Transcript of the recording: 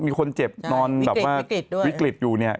มีคนเจ็บนอนวิกฤตอยู่เนี่ย